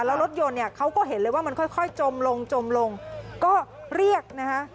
แล้วรถยนต์เนี่ยเขาก็เห็นเลยว่ามันค่อยจมลงจมลงก็เรียกนะฮะ